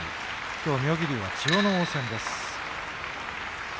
きょう妙義龍は千代ノ皇戦です。